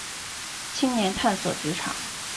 青年探索职场